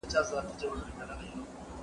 په ټپ باندې پاکه پټۍ وتړئ.